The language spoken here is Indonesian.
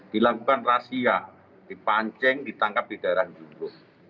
dilakukan rahasia dipancing ditangkap di daerah jumbo